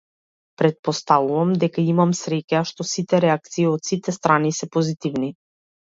Претпоставувам дека имам среќа што сите реакции од сите страни се позитивни.